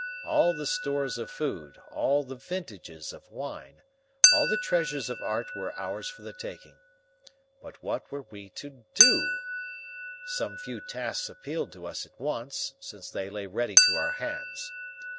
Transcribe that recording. All the stores of food, all the vintages of wine, all the treasures of art were ours for the taking. But what were we to do? Some few tasks appealed to us at once, since they lay ready to our hands.